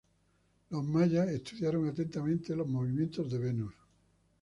Los mayas estudiaron atentamente los movimientos de Venus.